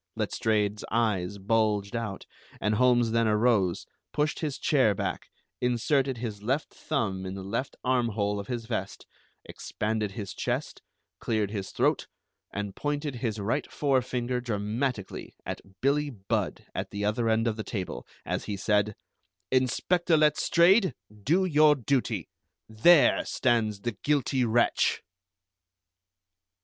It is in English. Letstrayed's eyes bulged out, and Holmes then arose, pushed his chair back, inserted his left thumb in the left armhole of his vest, expanded his chest, cleared his throat, and pointed his right fore finger dramatically at Billie Budd at the other end of the table, as he said: "Inspector Letstrayed, do your duty! There stands the guilty wretch!"